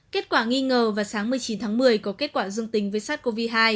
kết quả nghi ngờ vào sáng một mươi chín tháng một mươi có kết quả dương tính với sars cov hai